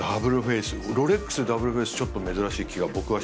ロレックスでダブルフェイスちょっと珍しい気が僕はします。